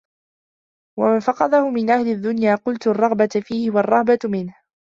وَمَنْ فَقَدَهُ مِنْ أَهْلِ الدُّنْيَا قَلَّتْ الرَّغْبَةُ فِيهِ وَالرَّهْبَةُ مِنْهُ